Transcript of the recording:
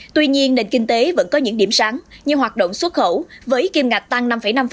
tuy nhiên nền kinh tế vẫn có những điểm sáng như hoạt động xuất khẩu với kim ngạch tăng năm năm